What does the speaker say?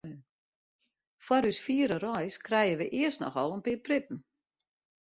Foar ús fiere reis krije wy earst noch al in pear prippen.